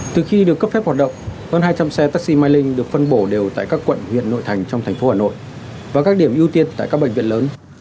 từ khi được cấp phép hoạt động hơn hai trăm linh xe taxi mai linh được phân bổ đều tại các quận huyện nội thành trong thành phố hà nội và các điểm ưu tiên tại các bệnh viện lớn